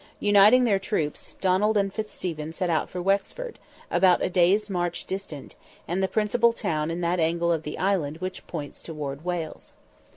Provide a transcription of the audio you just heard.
Uniting their troops, Donald and Fitzstephen set out for Wexford, about a day's march distant, and the principal town in that angle of the island which points towards Wales.